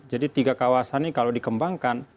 jadi tiga kawasan ini kalau dikembangkan